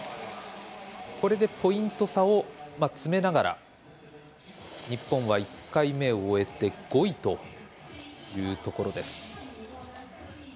これでポイント差を詰めながら日本は１回目を終えて５位というところです。